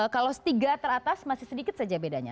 kalau tiga teratas masih sedikit saja bedanya